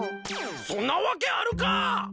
そんなわけあるか！